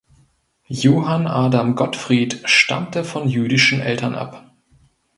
Johann Adam Gottfried stammte von jüdischen Eltern ab.